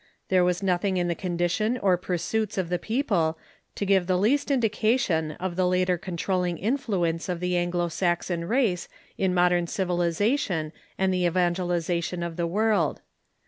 There was nothing in in the NINTH CENTURY THE ANGLO SAXON CHUKCU 147 the condition or pursuits of the people to give the least indi cation of the later controlling influence of the Anglo Saxon race in modern civilization and the evangelization of the world.